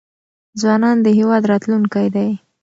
ځوانان د هیواد راتلونکی دی.